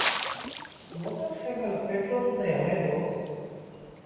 موٽر سآئيٚڪل پيٽرو تي هلي دو۔